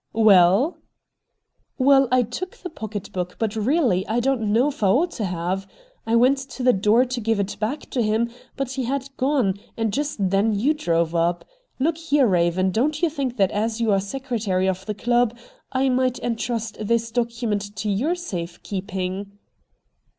Well ?'' Well, I took the pocket book, but really I don't know if I ought to have. I went to the door to give it back to him, but he had gone, and just then you drove up. Look here, Eaven, don't you think that as you are secretary of the club I might entrust this document to your safe keeping